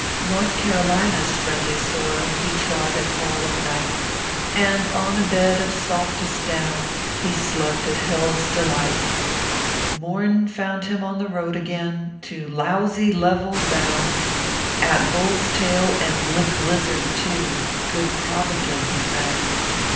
North Carolina s friendly soil He trod at fall of night, And, on a bed of softest down, He slept at Hell s Delight. Mom found him on the road again, To Lousy Level bound; At Bull s Tail, and Lick Lizzard, too, Good provender he found.